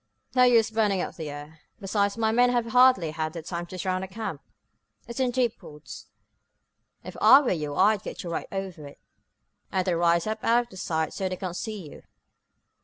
"No use burning up the air. Besides, my men have hardly had time to surround the camp. It's in deep woods. If I were you I'd get right over it, and then rise up out of sight so they can't see you.